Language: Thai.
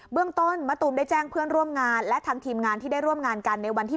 เบื้องต้นตูมได้แจ้งเพื่อนร่วมงาน